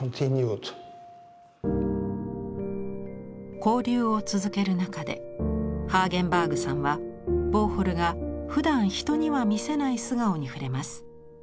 交流を続ける中でハーゲンバーグさんはウォーホルがふだん人には見せない素顔に触れます。